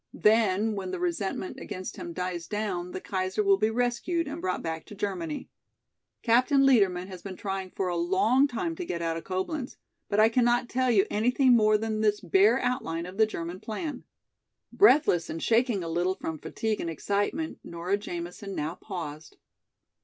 Then, when the resentment against him dies down the Kaiser will be rescued and brought back to Germany. Captain Liedermann has been trying for a long time to get out of Coblenz. But I cannot tell you anything more than this bare outline of the German plan." Breathless and shaking a little from fatigue and excitement, Nora Jamison now paused.